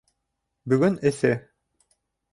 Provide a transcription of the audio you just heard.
Бөгөн эҫе